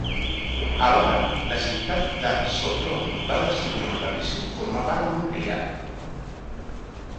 Alhora, la ciutat de Sopron va decidir en plebiscit formar part d'Hongria.